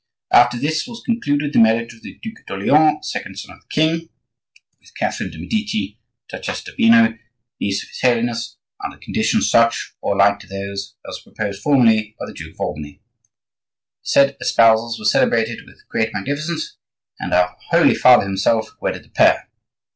"After this was concluded the marriage of the Duc d'Orleans, second son of the king, with Catherine de' Medici, Duchesse d'Urbino, niece of his Holiness, under the conditions such, or like to those, as were proposed formerly by the Duke of Albany. The said espousals were celebrated with great magnificence, and our Holy Father himself wedded the pair.